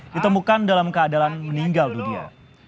ditemukan dalam keadaan meninggal dunia